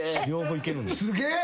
すげえ！